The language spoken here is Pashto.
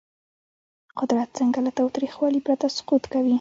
قدرت څنګه له تاوتریخوالي پرته سقوط کوي؟